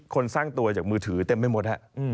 สร้างตัวจากมือถือเต็มไปหมด